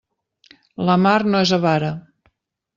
La mar no és avara.